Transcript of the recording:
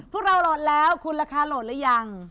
พวกเราโหลดแล้วคุณราคาโหลดหรือยัง